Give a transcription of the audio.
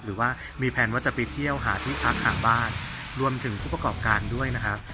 หรือว่ามีแพลนว่าจะไปเที่ยวหาที่พักห่างบ้านรวมถึงผู้ประกอบการด้วยนะครับ